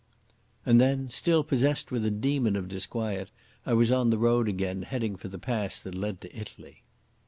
_" And then, still possessed with a demon of disquiet, I was on the road again, heading for the pass that led to Italy.